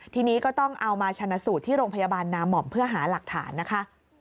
ทีนี้ก็ต้องเอามาชนะสูตรที่โรงพยาบาลนาม่อมเพื่อหาหลักฐานนะคะ